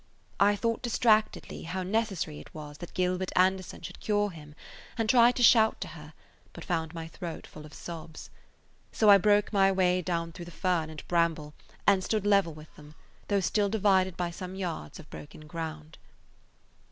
I thought distractedly how necessary it was that Gilbert Anderson should cure him, and tried to shout to her, but found my throat full of sobs. So I broke my way down through the fern and bramble and stood level with them, though still divided by some yards of broken ground.